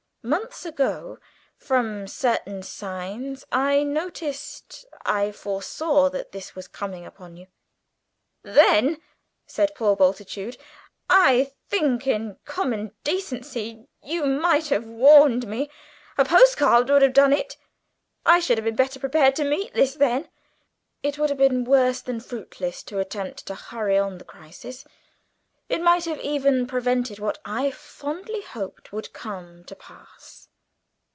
Months ago, from certain signs, I noticed, I foresaw that this was coming upon you." "Then," said Mr. Bultitude, "I think, in common decency, you might have warned me. A post card would have done it. I should have been better prepared to meet this, then!" "It would have been worse than fruitless to attempt to hurry on the crisis. It might have even prevented what I fondly hoped would come to pass."